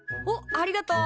ありがとう！